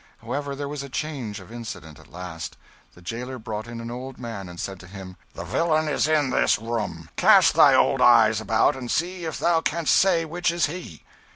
However, there was a change of incident at last. The jailer brought in an old man, and said to him "The villain is in this room cast thy old eyes about and see if thou canst say which is he."